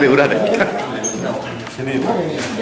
lalu yang pembake kita mamudin yang